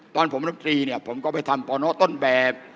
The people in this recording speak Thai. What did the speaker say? ตอนผมนับทรีย์ผมก็ไปทำปนต้นแบบ